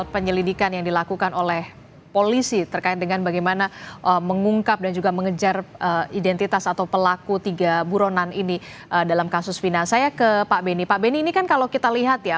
pak benny ini kan kalau kita lihat ya